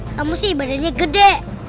kamu sih badannya gede